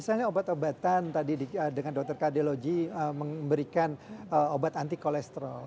jadi obat obatan tadi dengan dokter kardiologi memberikan obat anti kolesterol